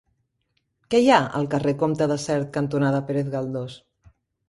Què hi ha al carrer Comte de Sert cantonada Pérez Galdós?